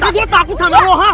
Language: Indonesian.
tapi gue takut sama lo hah